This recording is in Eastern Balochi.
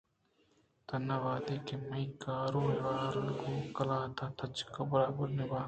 تنا وہدے کہ منی کار ءُاحوال گوں قلات ءَ تچک ءُبرابر نہ بنت